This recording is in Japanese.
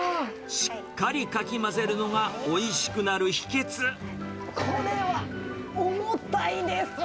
しっかりかき混ぜるのが、これは重たいです。